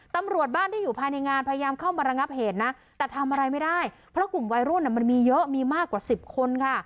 ตำรวจบ้านที่อยู่ภายในงานพยายามเข้ามาระงับเหตุนะแต่ทำอะไรไม่ได้เพราะกลุ่มวัยรุ่นมันมีเยอะมีมากกว่าสิบคนค่ะ